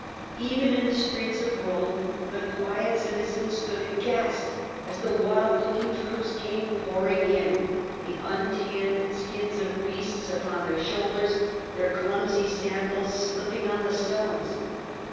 Even in the streets of Rome the quiet citizens stood aghast as the wild looking troops came pouring in, the untanned skins of beasts upon their shoulders, their clumsy sandals slipping 136 The Earlier Empire, A.D. 69. on the stones.